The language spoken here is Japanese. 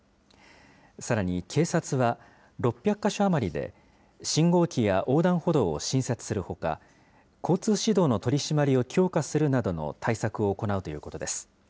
さらに警察は、６００か所余りで、信号機や横断歩道を新設するほか、交通指導の取締りを強化するなどの対策を行うということです。